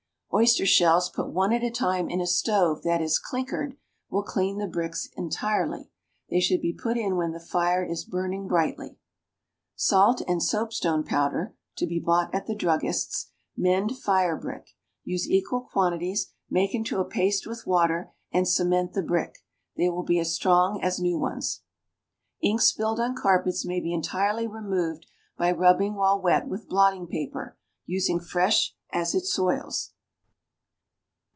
Oyster shells put one at a time in a stove that is "clinkered" will clean the bricks entirely. They should be put in when the fire is burning brightly. Salt and soapstone powder (to be bought at the druggist's) mend fire brick; use equal quantities, make into a paste with water, and cement the brick; they will be as strong as new ones. Ink spilled on carpets may be entirely removed by rubbing while wet with blotting paper, using fresh as it soils.